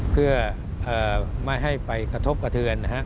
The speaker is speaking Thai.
เพื่อไม่ให้ไปกระทบกระเทือน